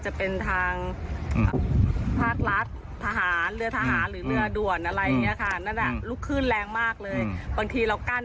คือนั้นอาจจะทำให้ให้กลุกขึ้นที่ถึงพื้น